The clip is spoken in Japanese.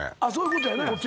あそういうことやね